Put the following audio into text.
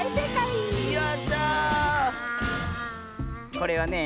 これはねえ